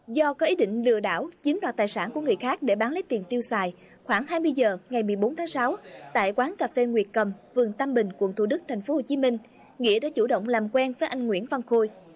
do có ý định lừa đảo chiếm đoạt tài sản của người khác để bán lấy tiền tiêu xài khoảng hai mươi h ngày một mươi bốn tháng sáu tại quán cà phê nguyệt cầm vườn tam bình quận thu đức tp hcm nghĩa đã chủ động làm quen với anh nguyễn văn khôi